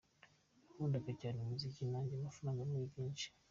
Yakundaga cyane umuziki, nanjye yamfashaga muri byinshi.